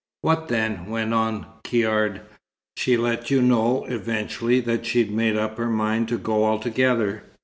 "What then?" went on Caird. "She let you know eventually that she'd made up her mind to go altogether?"